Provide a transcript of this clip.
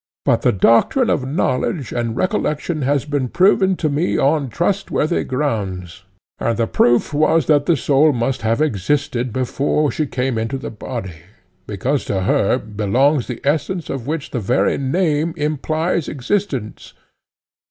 But the doctrine of knowledge and recollection has been proven to me on trustworthy grounds; and the proof was that the soul must have existed before she came into the body, because to her belongs the essence of which the very name implies existence.